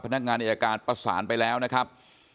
พนักงานอายการประสานไปแล้วนะครับ